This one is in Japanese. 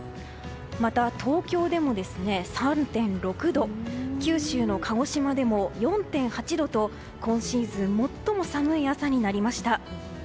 また、東京でも３．６度九州の鹿児島でも４．８度と今シーズン最も寒い朝になりました。